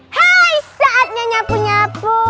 terima kasih pak